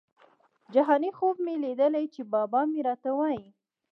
جهاني خوب مي لیدلی چي بابا مي راته وايی